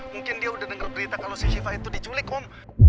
mungkin dia udah denger berita kalau si shiva itu diculik om